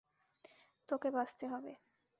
তোকে বাঁচতে হবে।